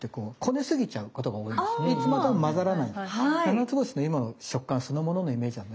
ななつぼしの今の食感そのもののイメージはね